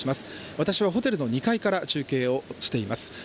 私はホテルの２階から中継をしています。